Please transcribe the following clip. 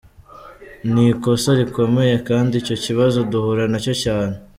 Ni ikosa rikomeye, kandi icyo kibazo duhura nacyo cyane.